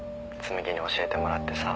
紬に教えてもらってさ。